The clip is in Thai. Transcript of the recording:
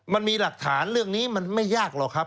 มันมีหลักฐานเรื่องนี้มันไม่ยากหรอกครับ